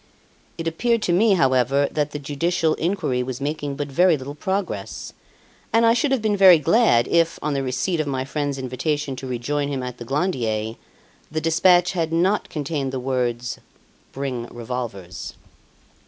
It appeared to me, however, that the judicial inquiry was making but very little progress; and I should have been very glad, if, on the receipt of my friend's invitation to rejoin him at the Glandier, the despatch had not contained the words, "Bring revolvers."